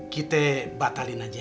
kita batalin aja